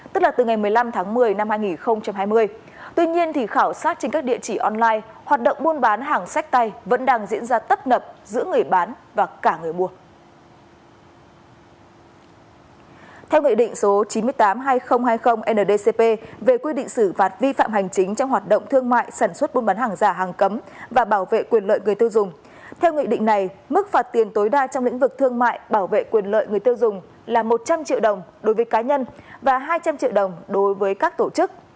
theo nghị định này mức phạt tiền tối đa trong lĩnh vực thương mại bảo vệ quyền lợi người tiêu dùng là một trăm linh triệu đồng đối với cá nhân và hai trăm linh triệu đồng đối với các tổ chức